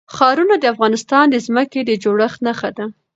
ښارونه د افغانستان د ځمکې د جوړښت نښه ده.